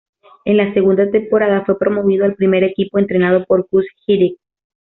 En la segunda temporada fue promovido al primer equipo, entrenado por Guus Hiddink.